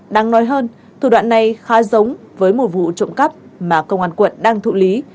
đáng nói hơn thủ đoạn này khá giống với một vụ trộm cắp mà công an quận đang thụ lý